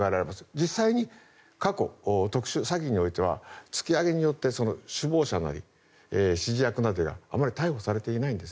実際に過去、特殊詐欺においては突き上げによって首謀者や指示役などがあまり逮捕されていないんです。